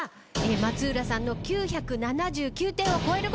松浦君の９７９点を超えるか！？